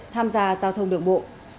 tham gia giao thông đường bộ